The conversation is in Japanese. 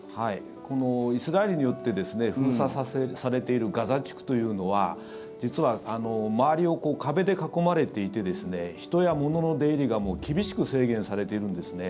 このイスラエルによって封鎖されているガザ地区というのは実は周りを壁で囲まれていて人や物の出入りが厳しく制限されているんですね。